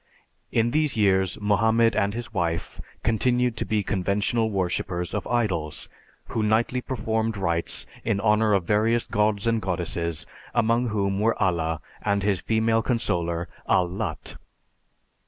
In these years Mohammed and his wife continued to be conventional worshipers of idols, who nightly performed rites in honor of various gods and goddesses, among whom were Allah and his female consoler Al Lat.